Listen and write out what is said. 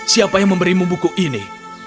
siapa yang memberimu buku ini